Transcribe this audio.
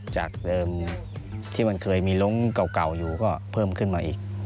จากเดิมที่มันเคยมีลงเก่าอยู่ก็เพิ่มขึ้นมาอีก